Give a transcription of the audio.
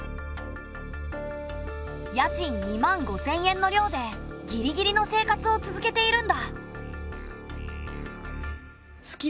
家賃２万５，０００円のりょうでギリギリの生活を続けているんだ。